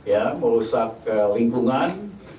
ya merusak lingkungan